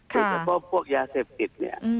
เช่นแบบว่าเฮือพวกยาเสียบติด